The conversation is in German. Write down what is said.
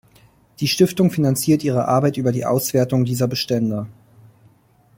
Die Stiftung finanziert ihre Arbeit über die Auswertung dieser Bestände.